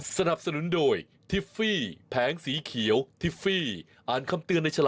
สวัสดีค่ะ